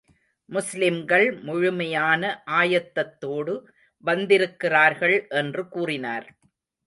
முஸ்லிம்கள் முழுமையான ஆயத்தத்தோடு வந்திருக்கிறார்கள் என்று கூறினார்.